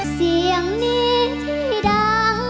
เสียงนี้ที่ดัง